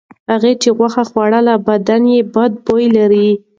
هغه چې غوښه خوړلې بدن یې بد بوی لري.